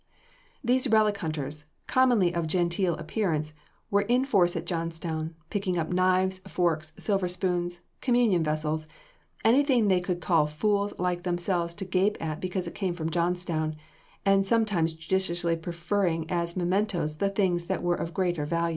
These relic hunters, commonly of genteel appearance, were in force at Johnstown, picking up knives, forks, silver spoons, communion vessels anything they could call fools like themselves to gape at because it came from Johnstown, and sometimes judiciously preferring as mementoes the things that were of greater value.